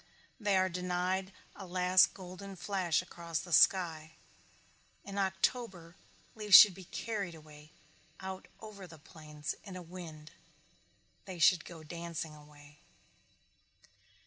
They are denied a last golden flash across the sky. In October leaves should be carried away, out over the plains, in a wind. They should go dancing away.